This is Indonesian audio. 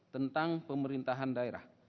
tentang pemerintahan daerah